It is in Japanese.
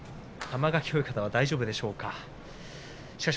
玉垣親方は大丈夫でしょうか。